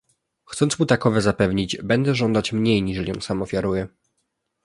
"Chcąc mu takowe zapewnić, będę żądać mniej niżeli on sam ofiaruje."